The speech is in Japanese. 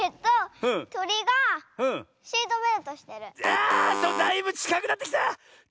あだいぶちかくなってきた！